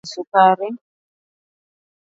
viazi lishe ni bora kwa wagonjwa wa kisukari